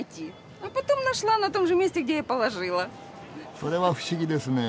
それは不思議ですねえ。